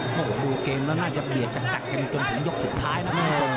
โอ้โหมัวเกมแล้วน่าจะเบียดจากกัดแก่มจนถึงยกสุดท้ายนะ